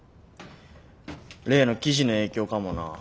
例の記事の影響かもな。